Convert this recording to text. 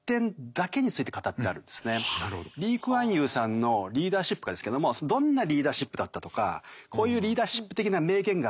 リー・クアンユーさんのリーダーシップがですけどもどんなリーダーシップだったとかこういうリーダーシップ的な名言があって。